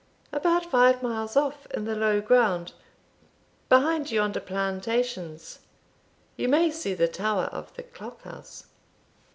"About five miles off, in the low ground, behind yonder plantations you may see the tower of the clock house."